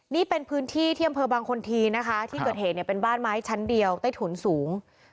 นี่เป็นพื้นที่ที่อำเภอบางคนทีนะคะที่เกิดเหตุเนี่ยเป็นบ้านไม้ชั้นเดียวใต้ถุนสูง